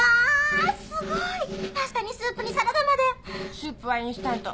スープはインスタント。